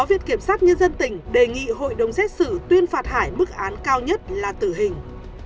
viện kiểm sát nhân dân tỉnh đề nghị hội đồng xét xử tuyên phạt hải mức án cao nhất là tử hình